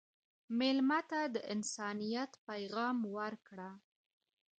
مېلمه ته د انسانیت پیغام ورکړه.